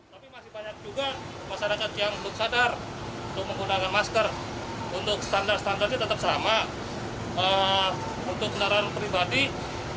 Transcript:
tapi masih banyak juga masyarakat yang belum sadar untuk menggunakan masker